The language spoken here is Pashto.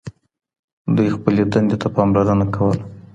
دوی خپلي دندي ته پاملرنه کوله.